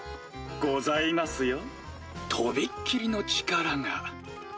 ございますよとびっきりの力が。